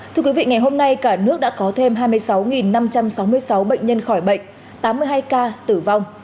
thưa quý vị ngày hôm nay cả nước đã có thêm hai mươi sáu năm trăm sáu mươi sáu bệnh nhân khỏi bệnh tám mươi hai ca tử vong